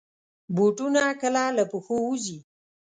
بوټونه کله له پښو وځي.